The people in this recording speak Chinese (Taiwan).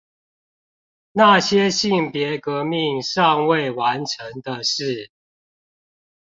那些性別革命尚未完成的事